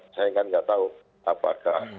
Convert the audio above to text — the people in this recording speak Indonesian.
saya kan gak tau apakah